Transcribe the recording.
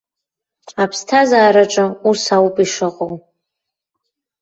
Аԥсҭазаараҿы ус ауп ишыҟоу.